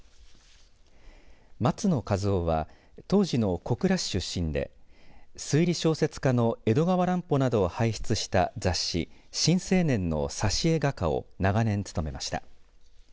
松野一夫は当時の小倉市出身で推理小説家の江戸川乱歩などを輩出した雑誌新青年の挿絵画家を長年務めました。